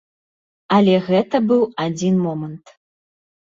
Але гэта быў адзін момант.